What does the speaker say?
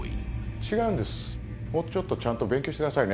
違うんです、もうちょっとちゃんと勉強しなさいね。